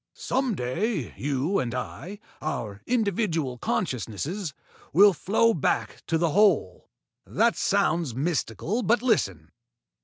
Some day you and I our individual consciousnesses will flow back to the Whole. That sounds mystical, but listen.